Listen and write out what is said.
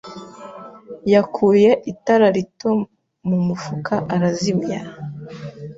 yakuye itara rito mu mufuka arazimya.